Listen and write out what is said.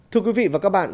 thưa quý vị và các bạn